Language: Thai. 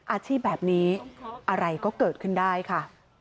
อาชีพแบบนี้อะไรก็เกิดขึ้นได้ค่ะ